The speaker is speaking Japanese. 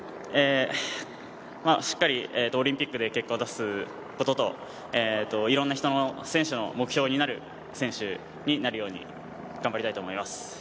しっかりオリンピックで結果を出すことといろんな人の選手の目標になる選手になるように頑張りたいと思います。